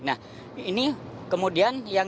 nah ini kemudian yang